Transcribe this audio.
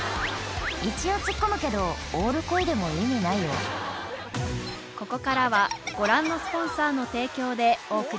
一応ツッコむけどオールこいでも意味ないようわ大変！